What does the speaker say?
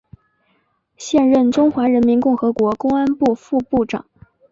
现任中华人民共和国公安部副部长。